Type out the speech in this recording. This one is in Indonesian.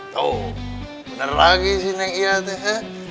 tuh bener lagi sih nek iya teh